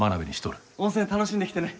温泉楽しんできてね。